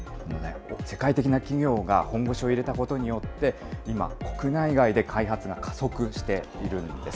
世界的な企業が本腰を入れたことによって、今、国内外で開発が加速しているんです。